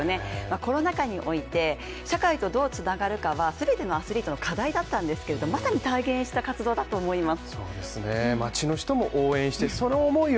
コロナ禍において、社会とどう繋がるかはすべてのアスリートの課題だったんですけどまさに体現した活動だと思います次はですね